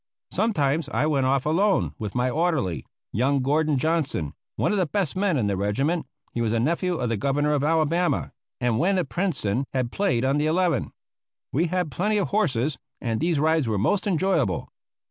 Sometimes I went off alone with my orderly, young Gordon Johnston, one of the best men in the regiment; he was a nephew of the Governor of Alabama, and when at Princeton had played on the eleven. We had plenty of horses, and these rides were most enjoyable.